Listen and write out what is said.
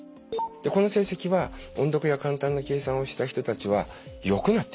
この成績は音読や簡単な計算をした人たちはよくなっていました。